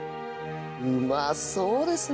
うまそうですね